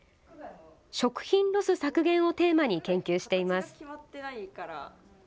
食品ロス削減をテーマに研究しています。